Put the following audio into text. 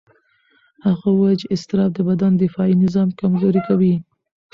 هغه وویل چې اضطراب د بدن دفاعي نظام کمزوري کوي.